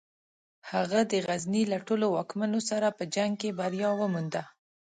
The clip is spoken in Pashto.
هغه د غزني له ټولو واکمنانو سره په جنګ کې بریا ومونده.